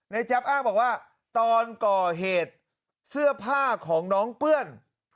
แจ๊บอ้างบอกว่าตอนก่อเหตุเสื้อผ้าของน้องเปื้อน